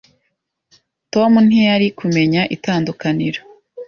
Tom ntiyari kumenya itandukaniro.